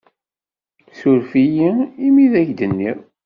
Ssuref-iyi imi ay ak-d-nniɣ.